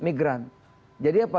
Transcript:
migran jadi apa